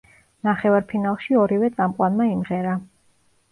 ნახევარფინალში ორივე წამყვანმა იმღერა.